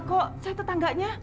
kok saya tetangganya